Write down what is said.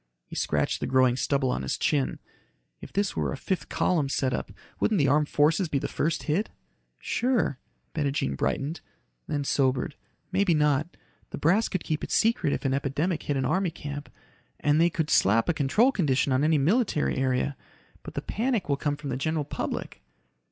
He scratched the growing stubble on his chin. "If this were a fifth column setup, wouldn't the armed forces be the first hit?" "Sure," Bettijean brightened, then sobered. "Maybe not. The brass could keep it secret if an epidemic hit an army camp. And they could slap a control condition on any military area. But the panic will come from the general public."